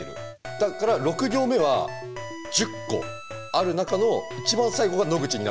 だから６行目は１０個ある中の一番最後が「野口」になっている。